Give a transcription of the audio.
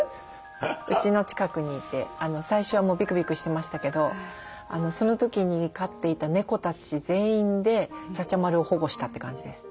うちの近くにいて最初はもうビクビクしてましたけどその時に飼っていた猫たち全員で茶々丸を保護したって感じです。